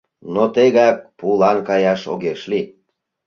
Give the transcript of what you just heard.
Но тегак пулан каяш огеш лий.